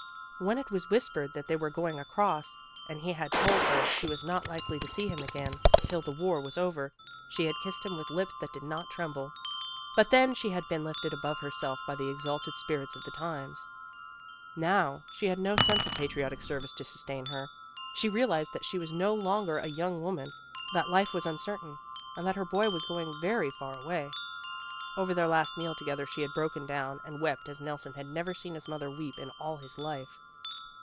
When it was whispered that they were going across, and he had told her she was not likely to see him again till the war was over, she had kissed him with lips that did not tremble. But then she had' been lifted above herself by the exalted spirits of the times. GOOD BY 179 Now she had no sense of patriotic service to sustain her. She realized that she was no longer a young woman, that life was uncertain, and that her boy was going very far away. Over their last meal together she had broken down, and wept as Nelson had never seen his mother weep in all his life.